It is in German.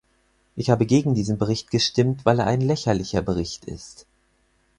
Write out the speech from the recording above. Ich habe gegen diesen Bericht gestimmt, weil er ein lächerlicher Bericht ist.